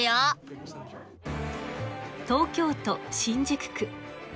東京都新宿区。